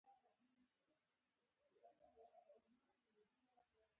غوږ درې کوچني هډوکي لري.